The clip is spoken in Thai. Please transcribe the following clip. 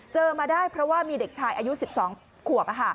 มาได้เพราะว่ามีเด็กชายอายุ๑๒ขวบ